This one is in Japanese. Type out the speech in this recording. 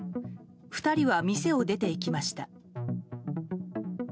２人は店を出て行きました。